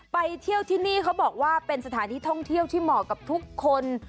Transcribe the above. ไปเที่ยวที่นี่เขาบอกว่าเป็นสถานที่ท่องเที่ยวที่เหมาะกับทุกคน